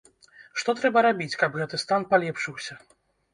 Што трэба рабіць, каб гэты стан палепшыўся?